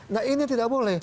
nah ini tidak boleh